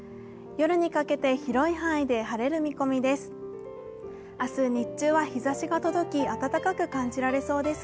夜にかけて広い範囲で晴れる見込みです。